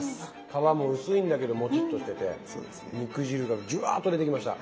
皮も薄いんだけどもちっとしてて肉汁がジュワーッと出てきました。